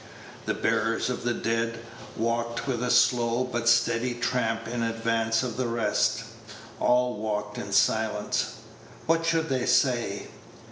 The bearers of the dead walked with a slow but steady tramp in advance of the rest. All walked in silence. What should they say?